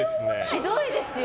ひどいですよ。